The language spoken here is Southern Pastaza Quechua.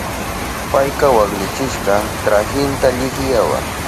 Payka waklichishka trahinta lihiyawa.